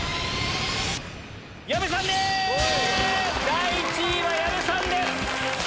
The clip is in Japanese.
第１位は矢部さんです！